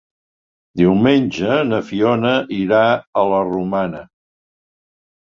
Diumenge na Fiona irà a la Romana.